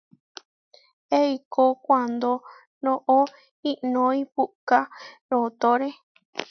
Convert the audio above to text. Eikó kuándo noʼó iʼnói puʼká rootóre.